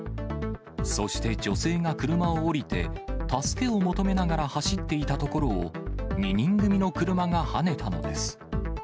そして女性が車を降りて、助けを求めながら走っていたところを、２人組の車がはねたのです。